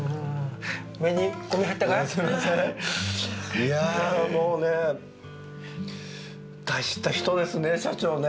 いやもうね大した人ですね社長ね。